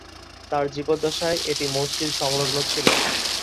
তাঁর জীবদ্দশায় এটি মসজিদ সংলগ্ন ছিলো।